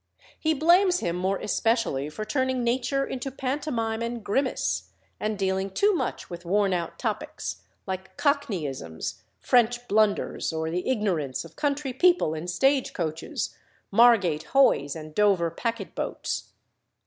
He blames him more especially for turning nature into pantomime and grimace, and dealing too much with worn out topics, like Cockneyisms, French blunders, or the ignorance of country people in stage coaches, Margate hoys, and Dover packet boats.